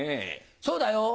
そうだよ。